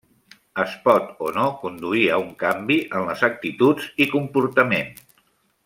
Es pot o no conduir a un canvi en les actituds i comportament.